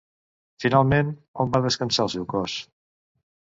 Finalment, a on va descansar el seu cos?